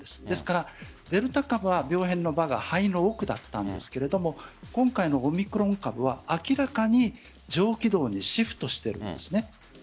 ですからデルタ株は病変の場が肺の奥だったんですが今回のオミクロン株は明らかに上気道にシフトしているんです。